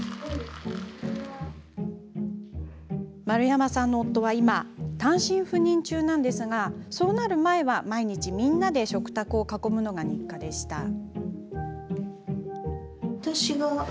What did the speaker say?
丸山さんの夫は今単身赴任中なんですがそうなる前は、毎日みんなで食卓を囲むのが日課でした。